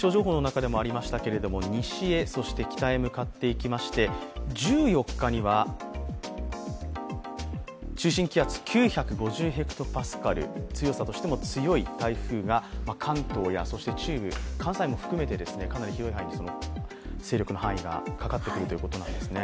西へ、そして北へと向かっていきまして、１４日には、中心気圧９５０ｈＰａ強さとしても強い台風や関東や中部、関西も含めて、かなり広い範囲に勢力の範囲がかかってくるということなんです。